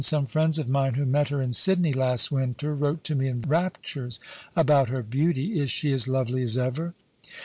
Some friends of mine who met her in Syciney last winter wrote to me in raptures about her beauty. Is she as lovely as ever